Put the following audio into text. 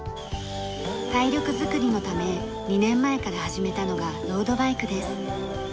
体力作りのため２年前から始めたのがロードバイクです。